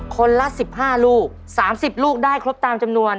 คนละ๑๕ลูก๓๐ลูกได้ครบตามจำนวน